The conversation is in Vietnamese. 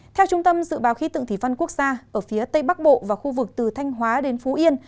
theo trung tâm dự báo khí tượng thủy văn quốc gia ở phía tây bắc bộ và khu vực từ thanh hóa đến phú yên